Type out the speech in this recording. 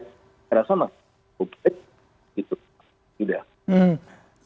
karena sama objek itu tidak